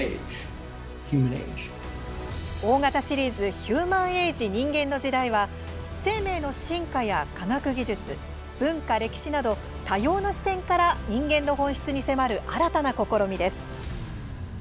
大型シリーズ「ヒューマン・エイジ人間の時代」は生命の進化や科学技術文化、歴史など多様な視点から人間の本質に迫る新たな試みです。